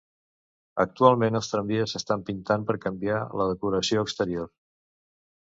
Actualment els tramvies s'estan pintant per canviar la decoració exterior.